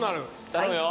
頼むよ